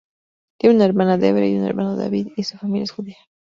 Tiene una hermana, Debra, y un hermano, David, y su familia es judía.